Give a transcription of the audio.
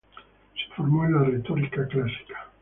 Se formó en la retórica clásica.